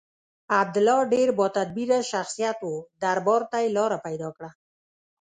عبدالله ډېر با تدبیره شخصیت و دربار ته یې لاره پیدا کړه.